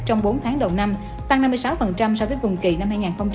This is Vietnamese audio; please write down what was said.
trong bốn tháng đầu năm tăng năm mươi sáu so với vùng kỳ năm hai nghìn hai mươi hai